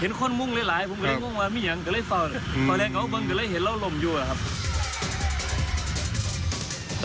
ผมแรงก้องอุบังกะแรงเห็นเราลงอยู่แหร่ครับ